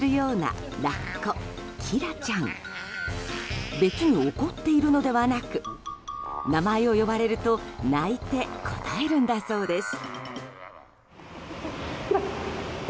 実はこれ別に怒っているのではなく名前を呼ばれると鳴いて答えるんだそうです。